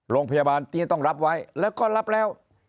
โรงพยาบาลที่จะต้องรับไว้แล้วก็รับแล้ว